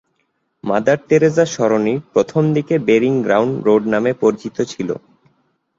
Mother Teresa সরণি প্রথমদিকে burying ground road নামে পরিচিত ছিল।